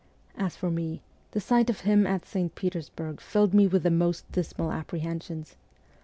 As for me, the sight of him at St. Petersburg rilled me with the most dismal apprehensions.